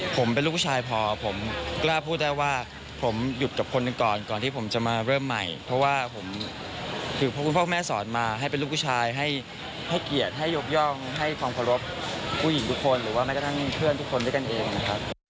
ผมเป็นลูกผู้ชายพอผมกล้าพูดได้ว่าผมหยุดกับคนหนึ่งก่อนก่อนที่ผมจะมาเริ่มใหม่เพราะว่าผมคือเพราะคุณพ่อคุณแม่สอนมาให้เป็นลูกผู้ชายให้เกียรติให้ยกย่องให้ความเคารพผู้หญิงทุกคนหรือว่าแม้กระทั่งเพื่อนทุกคนด้วยกันเองนะครับ